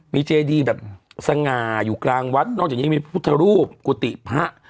มีเจดีแบบสง่าอยู่กลางวัดนอกจากนี้ยังมีพุทธรูปกุฏิพระ